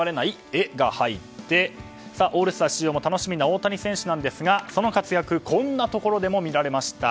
「エ」が入ってオールスター出場も楽しみな大谷選手なんですがその活躍、こんなところでも見られました。